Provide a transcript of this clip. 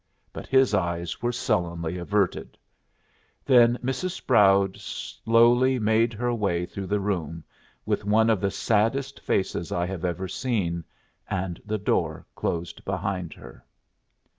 But his eyes were sullenly averted. Then Mrs. Sproud slowly made her way through the room, with one of the saddest faces I have ever seen, and the door closed behind her.